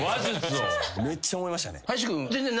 めっちゃ思いましたね。